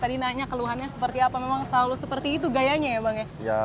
tadi nanya keluhannya seperti apa memang selalu seperti itu gayanya ya bang ya